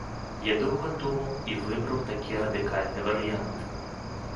Я доўга думаў і выбраў такі радыкальны варыянт.